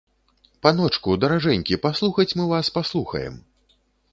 Паночку, даражэнькі, паслухаць мы вас паслухаем.